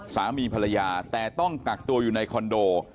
สามีภรรยาแต่ต้องกักตัวอยู่ในคอนโด